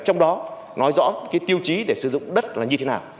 trong đó nói rõ cái tiêu chí để sử dụng đất là như thế nào